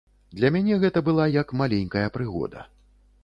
Для мяне гэта была як маленькая прыгода.